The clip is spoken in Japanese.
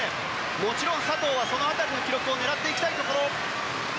もちろん佐藤はその辺りの記録を狙っていきたいところ。